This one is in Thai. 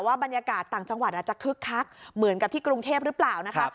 บรรยากาศต่างจังหวัดอาจจะคึกคักเหมือนกับที่กรุงเทพหรือเปล่านะคะ